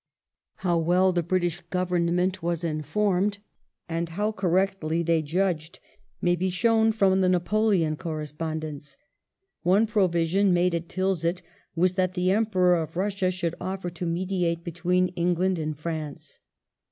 How well the British Government were informed, and how correctly they judged, may be shown from the Napoleon Corre spondence. One provision made at Tilsit was th'at the Emperor of Bussia should offer to mediate between England and France.